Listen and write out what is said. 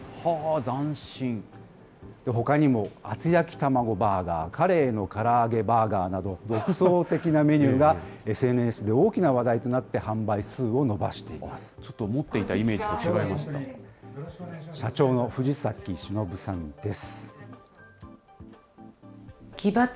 ほかにも、厚焼きたまごバーガー、カレイのから揚げバーガーなど、独創的なメニューがＳＮＳで大きな話題となって、販売数を伸ばしちょっと、思っていたイメー社長の藤崎忍さんです。